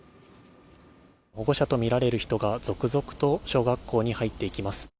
保護者とみられる人が続々と小学校に入っていきます。